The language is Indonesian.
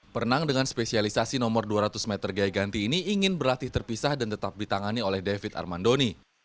perenang dengan spesialisasi nomor dua ratus meter gaya ganti ini ingin berlatih terpisah dan tetap ditangani oleh david armandoni